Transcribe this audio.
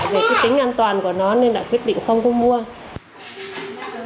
về tính an toàn của nó nên đã quyết định không mua